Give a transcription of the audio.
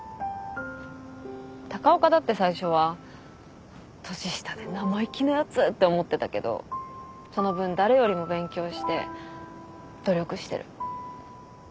高岡だって最初は年下で生意気なやつって思ってたけどその分誰よりも勉強して努力してる。